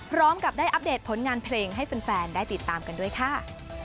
พร้อมกับได้อัปเดตผลงานเพลงให้แฟนได้ติดตามกันด้วยค่ะ